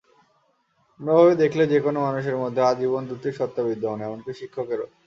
অন্যভাবে দেখলে যেকোনো মানুষের মধ্যে আজীবন দুটি সত্তা বর্তমান, এমনকি শিক্ষকেরও।